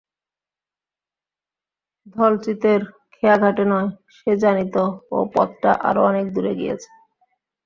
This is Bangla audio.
ধলচিতের খেয়াঘাটে নয়, সে জানিত, ও পথটা আরও অনেক দূরে গিয়াছে।